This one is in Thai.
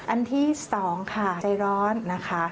อันที่๒ค่ะใจร้อนนะคะ